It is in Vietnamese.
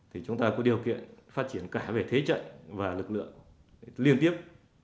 thì chúng ta có điều kiện phát triển cả về thế trận và lực lượng liên tiếp